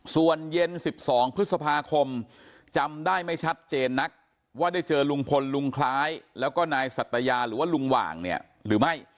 ส่วนเย็น๑๒พฤษภาคมจำได้ไม่ชัดเจนนักว่าได้เจอลุงพลลุงคล้ายแล้วก็นายสัตยาหรือว่าลุงหว่างเนี่ยหรือไม่